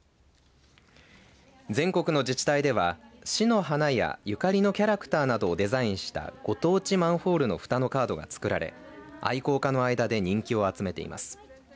全国の自治体では、市の花やゆかりのキャラクターなどをデザインしたご当地マンホールのふたのカードが作られ愛好家の間で人気を集めています。